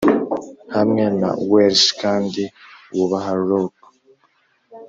hamwe na welsh kandi wubaha rook